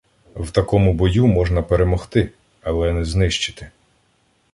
В такому бою можна перемогти, але не знищити.